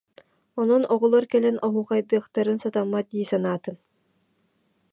Онон оҕолор кэлэн оһуохайдыахтарын сатаммат дии санаатым